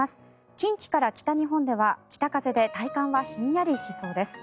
近畿から北日本では北風で体感はひんやりしそうです。